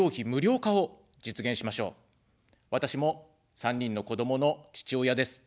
私も３人の子どもの父親です。